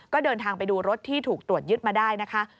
ก็เดินทางไปดูรถที่ถูกตรวจยึดมาได้นะคะ